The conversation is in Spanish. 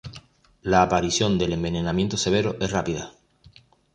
La aparición del envenenamiento severo es rápida.